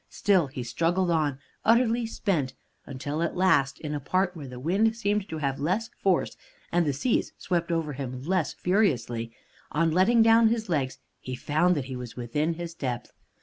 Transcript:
Still he struggled on, utterly spent, until at last, in a part where the wind seemed to have less force, and the seas swept over him less furiously, on letting down his legs he found that he was within his depth.